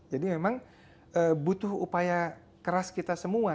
jadi memang butuh upaya keras kita semua